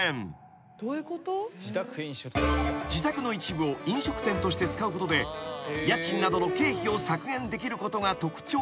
［自宅の一部を飲食店として使うことで家賃などの経費を削減できることが特徴なのだが］